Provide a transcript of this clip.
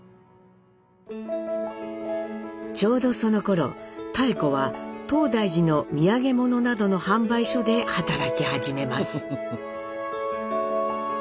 ちょうどそのころ妙子は東大寺の土産物などの販売所で働き始めます。